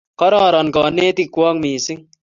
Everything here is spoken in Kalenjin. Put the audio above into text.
Kororon kanetik kwok missing'